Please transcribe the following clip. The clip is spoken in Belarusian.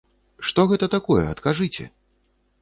Што гэта такое, адкажыце?